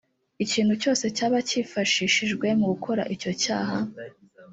ikintu cyose cyaba cyifashishijwe mu gukora icyo cyaha